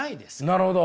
なるほど。